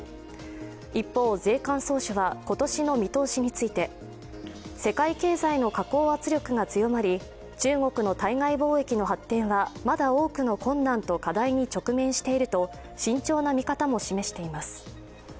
一方、税関総署は今年の見通しについて世界経済の下降圧力が強まり、中国の対外貿易の発展はまだ多くの困難と課題に直面していると慎重な見方も示しています。